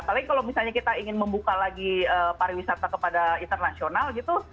apalagi kalau misalnya kita ingin membuka lagi pariwisata kepada internasional gitu